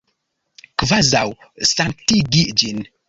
Kvazaŭ sanktigi ĝin.